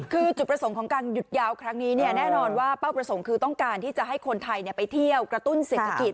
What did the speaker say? คือจุดประสงค์ของการหยุดยาวครั้งนี้แน่นอนว่าเป้าประสงค์คือต้องการที่จะให้คนไทยไปเที่ยวกระตุ้นเศรษฐกิจ